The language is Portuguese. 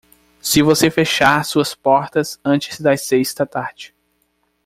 Se você fechar suas portas antes das seis da tarde.